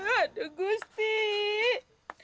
aduh gue sakit